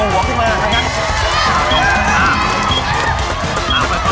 อย่าเพิ่งปีดอย่าเพิ่ง